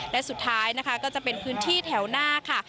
และสุดท้ายนะคะก็จะเป็นพื้นที่แถวหน้าค่ะ